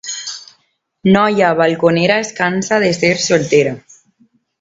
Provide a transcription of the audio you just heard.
Noia balconera es cansa de ser soltera.